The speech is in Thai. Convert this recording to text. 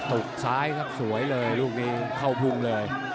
ซ้ายครับสวยเลยลูกนี้เข้าพุ่งเลย